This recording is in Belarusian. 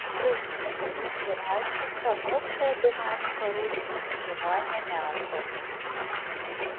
Пры гэтым назіраецца станоўчая дынаміка росту спажывання мяса.